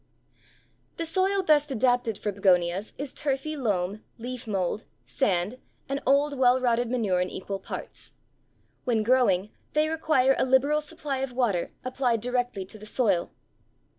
_ The soil best adapted for Begonias is turfy loam, leaf mold, sand, and old well rotted manure in equal parts. When growing, they require a liberal supply of water, applied directly to the soil.